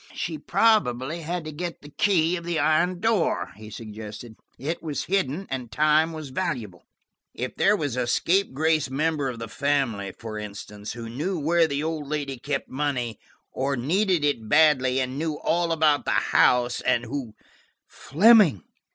"She probably had to get the key of the iron door," he suggested. "It was hidden, and time was valuable. If there was a scapegrace member of the family, for instance, who knew where the old lady kept money, and who needed it badly; who knew all about the house, and who–" "Fleming!"